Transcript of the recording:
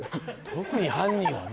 特に犯人はね。